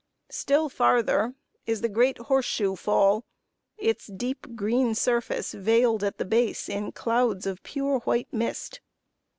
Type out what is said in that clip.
Still farther is the great Horse shoe Fall, its deep green surface veiled at the base in clouds of pure white mist.